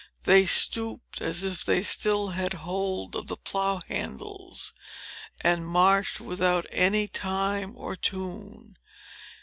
They stooped, as if they still had hold of the plough handles, and marched without any time or tune.